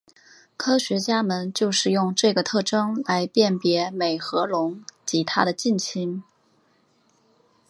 科学家们就是用这个特征来辨别美颌龙及它的近亲。